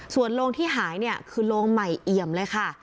ส่วนโรงที่หายเนี่ยคือโรงใหม่เอี่ยมเลยค่ะ